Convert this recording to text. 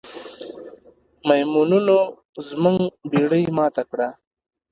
میمونونو زموږ بیړۍ ماته کړه.